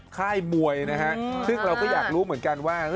ค่ายมวยนะฮะซึ่งเราก็อยากรู้เหมือนกันว่า